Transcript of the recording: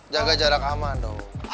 jaga jarak aman dong